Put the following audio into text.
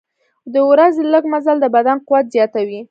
د ورځې لږ مزل د بدن قوت زیاتوي.